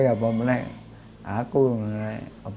saya tidak pernah berpengalaman